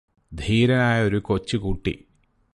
ധീരനായ ഒരു കൊച്ചു കുട്ടി